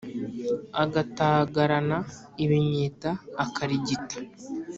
Agatagarana ibinyita akarigita.